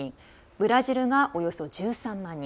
ブラジルがおよそ１３万人。